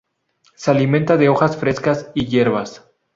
Se alimenta de hojas frescas y hierbas.